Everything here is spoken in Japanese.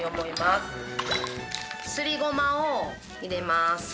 すりごまを入れます。